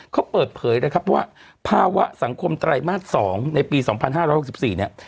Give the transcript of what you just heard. เขาเปิดเผยนะครับว่าภาวะสังคมไตรมาส๒ในปี๒๕๖๔เนี่ย